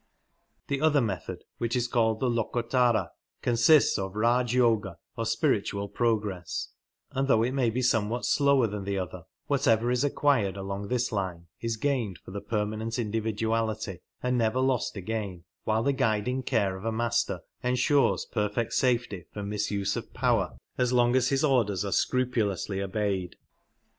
The Qther method, which is called the lokottara^ consists of Raj Yoga or spiritual progress, and though it may be somewhat slower than the other, what ever is acquired along this line is gained for the permanent individuality, and never lost again, while the guiding care of a Master ensures perfect safety from misuse of power as lOO long as his orders are scrupulously obeyed.